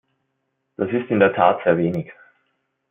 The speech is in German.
Das ist in der Tat sehr wenig.